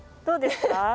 どうですか？